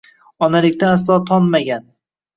Onalikdan aslo tonmagan